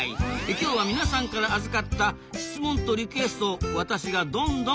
今日は皆さんから預かった質問とリクエストを私がどんどんお伝えしていきますぞ！